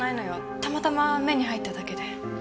たまたま目に入っただけで。